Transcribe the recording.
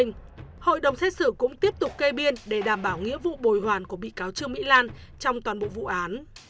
hội đồng xét xử cũng tiếp tục kê biên để đảm bảo nghĩa vụ bồi hoàn của bị cáo trương mỹ lan trong toàn bộ vụ án